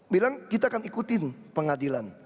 bilang kita akan ikutin pengadilan